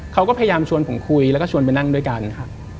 เขาก็พยายามชวนผมคุยแล้วก็ชวนไปนั่งด้วยกันครับ